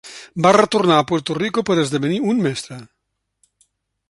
Va retornar a Puerto Rico per esdevenir un mestre.